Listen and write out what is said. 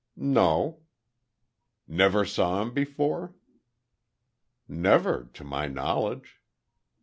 "No." "Never saw him before?" "Never, to my knowledge."